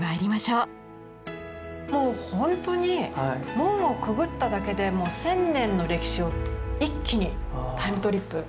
もう本当に門をくぐっただけで１，０００年の歴史を一気にタイムトリップ。